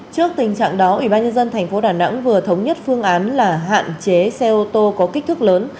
trước tình trạng đó ủy ban nhân dân thành phố đà nẵng vừa thống nhất phương án là hạn chế xe ô tô có kích thước lớn